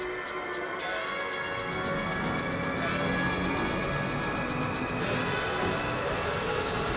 kondisi ini juga bisa diangkat dengan cara yang tidak terlalu mudah